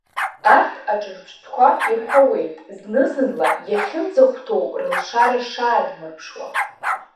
Арҭ аҿырԥштәқәа ирҳәауеит зны-зынла иахьынӡахәҭоу рылшара шаадмырԥшуа.